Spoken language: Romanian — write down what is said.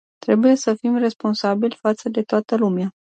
Trebuie să fim responsabili față de toată lumea.